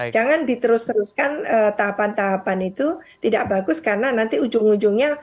jangan diterus teruskan tahapan tahapan itu tidak bagus karena nanti ujung ujungnya